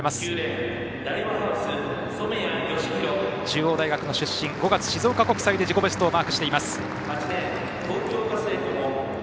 中央大学出身、５月に静岡国際で自己ベストをマークした、染谷。